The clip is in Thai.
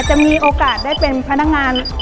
จะมีโอกาสได้เป็นพนักงาน